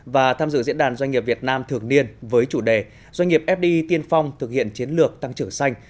và tham dự diễn đàn doanh nghiệp việt nam thường niên với chủ đề doanh nghiệp fdi tiên phong thực hiện chiến lược tăng trưởng xanh